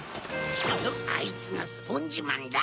あいつがスポンジマンだ。